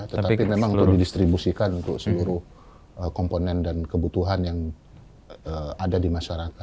tetapi memang untuk didistribusikan untuk seluruh komponen dan kebutuhan yang ada di masyarakat